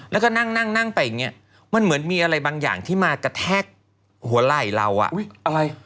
แล้วก็นั่งนั่งไปอย่างเงี้ยมันเหมือนมีอะไรบางอย่างที่มากระแทกหัวไหล่เราอ่ะอะไร